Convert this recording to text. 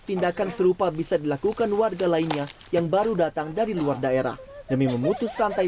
tindakan serupa bisa dilakukan warga lainnya yang baru datang dari luar daerah demi memutus rantai